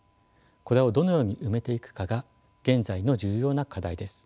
これをどのように埋めていくかが現在の重要な課題です。